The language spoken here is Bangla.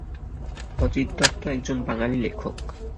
অজিত দত্ত একজন বাঙালি লেখক।